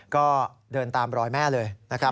ก็เดินตามรอยแม่เลยนะครับ